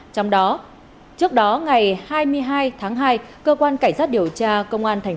trong đó trước đó ngày hai mươi hai tháng hai cơ quan cảnh sát điều tra công an thành